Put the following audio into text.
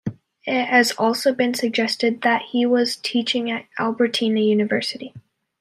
It has also been suggested that he was teaching at Albertina University.